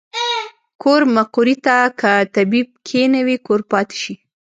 کور مقري ته کۀ طبيب کښېنوې کور پاتې شي